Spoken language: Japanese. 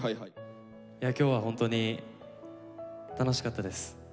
いや今日はホントに楽しかったです。